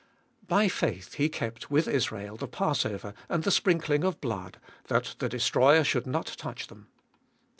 By faith he kept, with Israel, the passover and the sprinkling of blood, that the destroyer should not touch them.